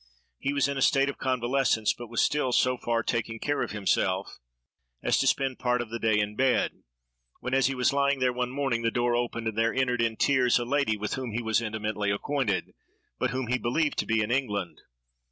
He was in a state of convalescence, but was still so far taking care of himself as to spend part of the day in bed, when, as he was lying there one morning, the door opened, and there entered in tears, a lady with whom he was intimately acquainted, but whom he believed to be in England.